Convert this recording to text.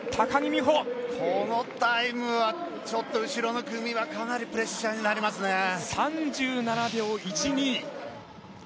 このタイムはちょっと後ろの組はかなりプレッシャーになりますね。